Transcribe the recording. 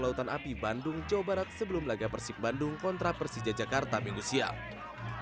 lautan api bandung jawa barat sebelum laga persib bandung kontra persija jakarta minggu siang